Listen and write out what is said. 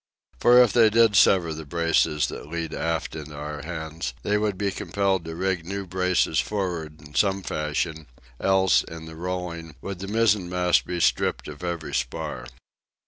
For if they did sever the braces that lead aft into our hands, they would be compelled to rig new braces for'ard in some fashion, else, in the rolling, would the mizzenmast be stripped of every spar.